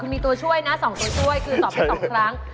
มีตัวช่วยนะ๒ตัวช่วยคือตอบไป๒ครั้ง